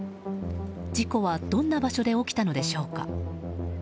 事故はどんな場所で起きたのでしょうか。